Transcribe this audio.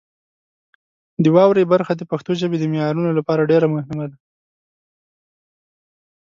د واورئ برخه د پښتو ژبې د معیارونو لپاره ډېره مهمه ده.